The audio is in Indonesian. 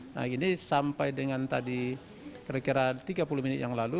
nah ini sampai dengan tadi kira kira tiga puluh menit yang lalu